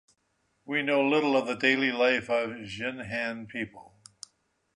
We know little of the daily life of Jinhan people.